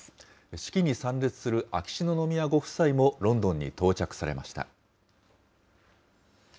式に参列する秋篠宮ご夫妻もロンドンに到着されました。